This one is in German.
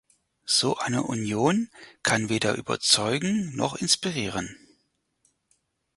So eine Union kann weder überzeugen noch inspirieren.